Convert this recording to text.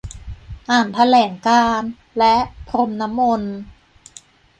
อ่านแถลงการณ์ และ พรมน้ำมนต์